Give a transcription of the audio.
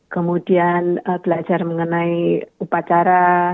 kemudian belajar mengenai upacara